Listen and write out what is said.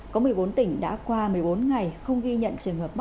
có một mươi bốn tỉnh đã qua một mươi bốn ngày không ghi nhận